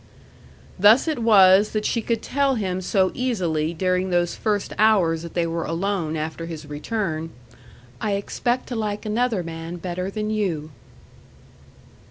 Thus it was that she could tell him so easily during those first hours that they were alone after his return, "I expect to like another man better than you."